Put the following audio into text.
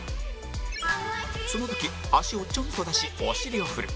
その時足をちょっと出しお尻を振る